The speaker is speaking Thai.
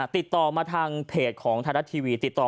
ติดต่อมาทางเพจของไทยรัฐทีวี